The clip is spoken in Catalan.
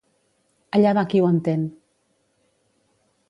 Allà va qui ho entén.